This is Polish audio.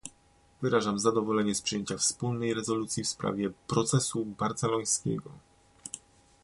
Wyrażam zadowolenie z przyjęcia wspólnej rezolucji w sprawie "Procesu barcelońskiego